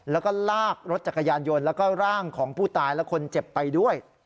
แล้วก็ลากรถจักรยานยนต์แล้วก็ร่างของผู้ตายและคนเจ็บไปด้วย